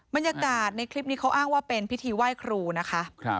บรรยากาศในคลิปนี้เขาอ้างว่าเป็นพิธีไหว้ครูนะคะ